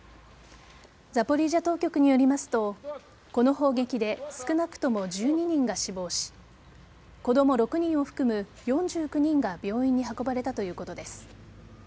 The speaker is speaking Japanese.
ザポリージャ当局によりますとこの砲撃で少なくとも１２人が死亡し子供６人を含む４９人が病院に運ばれたということです。